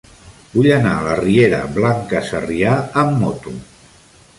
Vull anar a la riera Blanca Sarrià amb moto.